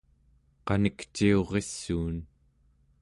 qanikciurissuun